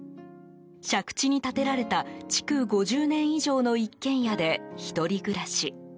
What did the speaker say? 借地に建てられた築５０年以上の一軒家で１人暮らし。